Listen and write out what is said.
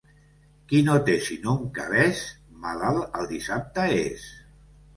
Qui no té sinó un cabeç, malalt el dissabte és.